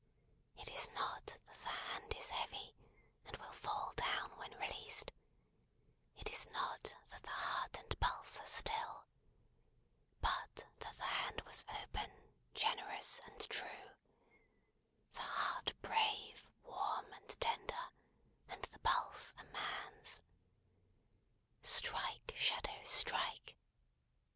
It is not that the hand is heavy and will fall down when released; it is not that the heart and pulse are still; but that the hand WAS open, generous, and true; the heart brave, warm, and tender; and the pulse a man's. Strike, Shadow, strike!